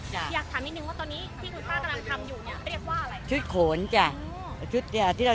อยากถามนิดนึงว่าตอนนี้ที่คุณป้ากำลังทำอยู่เนี่ยเรียกว่าอะไรคะ